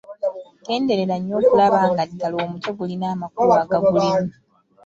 Genderera nnyo okulaba oba nga ddala omutwe gulina amakulu agagulimu.